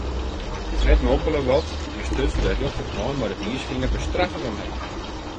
Fred mompele wat en stuts de rjochterhân mei de wiisfinger bestraffend omheech.